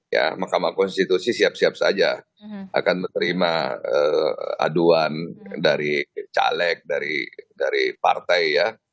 ya mahkamah konstitusi siap siap saja akan menerima aduan dari caleg dari partai ya